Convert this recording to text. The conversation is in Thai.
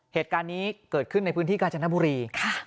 เหตุการณ์นี้เกิดขึ้นในพื้นที่กาญจนบุรี